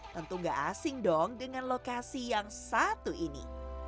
tentu gak asing dong dengan lokasi yang satu ini